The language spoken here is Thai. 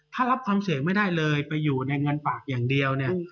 ถ้ารับความเสี่ยงไม่ได้เลยไปอยู่ในเงินปากอย่างเดียวเนี่ย